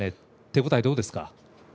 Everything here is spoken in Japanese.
手応えはどうですか？